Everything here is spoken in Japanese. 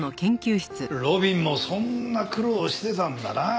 路敏もそんな苦労をしてたんだな。